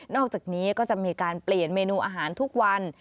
อกจากนี้ก็จะมีการเปลี่ยนเมนูอาหารทุกวัน